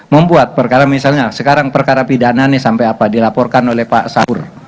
membuat perkara misalnya sekarang perkara pidana ini sampai apa dilaporkan oleh pak sahur